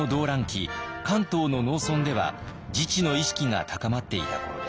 関東の農村では自治の意識が高まっていた頃です。